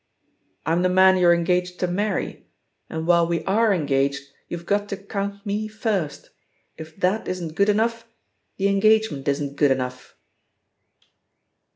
"I'm the man you're engaged to marry. !And while we are engaged, you've got to count me ^^first.' If that isn't good enough, the engage* ment isn't good enough."